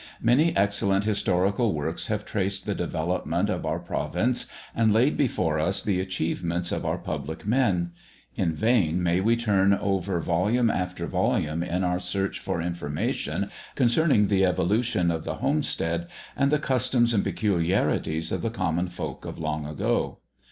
Many excellent historical works have traced the development of our province and laid before us the achievements of our public men. In vain may we turn over volume after volume in our search for information concerning the evolution of the homestead, and the customs and peculiarities of the common folk of long ago.